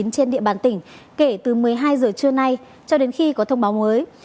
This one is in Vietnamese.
trên địa bàn tỉnh kể từ một mươi hai giờ trưa nay cho đến khi có thông báo mới